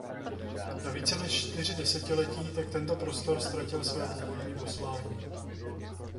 Na více než čtyři desetiletí tak tento prostor ztratil své původní poslání.